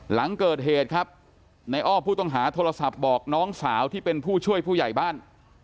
หลังเกิดเหตุครับในอ้อผู้ต้องหาโทรศัพท์บอกน้องสาวที่เป็นผู้ช่วยผู้ใหญ่บ้าน